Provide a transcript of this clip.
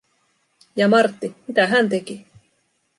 Ja Martti, mitä hän teki?